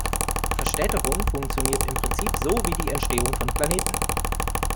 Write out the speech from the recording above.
Verstädterung funktioniert im Prinzip so wie die Entstehung von Planeten.